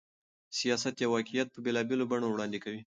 سياست يو واقعيت په بېلابېلو بڼو وړاندې کوي.